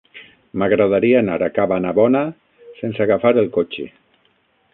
M'agradaria anar a Cabanabona sense agafar el cotxe.